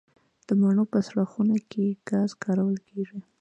د مڼو په سړه خونه کې ګاز کارول کیږي؟